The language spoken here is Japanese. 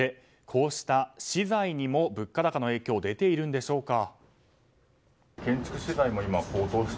こうした資材にも物価高の影響が出ているのでしょうか。